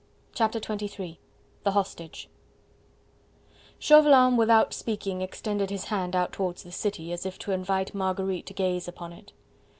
Chapter XXIII The Hostage Chauvelin, without speaking, extended his hand out towards the city as if to invite Marguerite to gaze upon it.